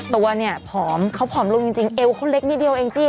ตัวเนี่ยผอมเขาผอมลงจริงเอวเขาเล็กนิดเดียวเองจี้